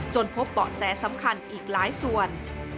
พบเบาะแสสำคัญอีกหลายส่วน